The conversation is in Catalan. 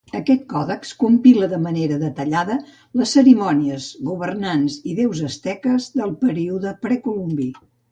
Aquest còdex compila de manera detallada les cerimònies, governants i déus asteques del període precolombí.